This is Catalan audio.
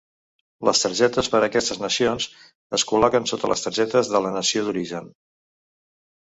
Les targetes per a aquestes nacions es col·loquen sota les targetes de la nació d'origen.